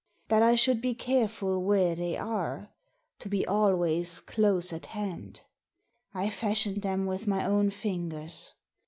That I should be careful where they are — ^to be always close at hand? I fashioned them with my own fingers.